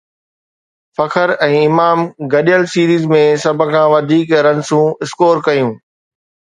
فخر ۽ امام گڏيل سيريز ۾ سڀ کان وڌيڪ رنسون اسڪور ڪيون